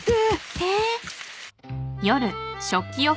えっ？